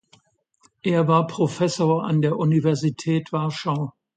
Er war Professor an der Universität Warschau.